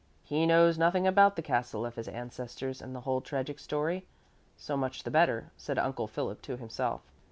"He knows nothing about the castle of his ancestors and the whole tragic story. So much the better," said Uncle Philip to himself.